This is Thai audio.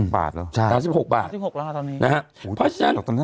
๓๖บาทแล้ว๓๖บาท๓๖แล้วครับตอนนี้